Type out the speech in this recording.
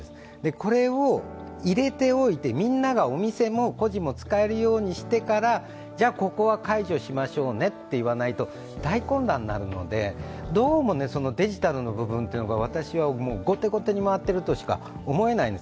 これを入れておいて、みんながお店も、個人も使えるようにしてから、じゃあじゃ、ここは解除しましょうねと言わないと、大混乱になるのでどうも、デジタルの部分が私は後手後手に回ってるとしか思えないんです。